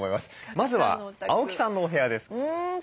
まずは青木さんのお部屋です。